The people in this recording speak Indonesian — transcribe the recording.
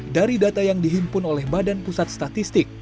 dari data yang dihimpun oleh badan pusat statistik